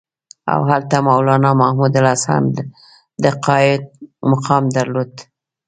او هلته مولنا محمودالحسن د قاید مقام درلود.